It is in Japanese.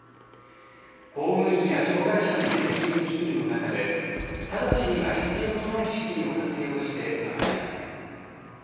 公務員や障害者の年金基金の中で直ちには必要のない資金を活用して賄います。